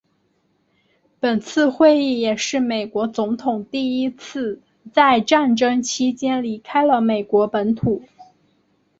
本次会议也是美国总统第一次在战争期间离开了美国本土。